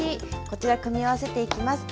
こちら組み合わせていきます。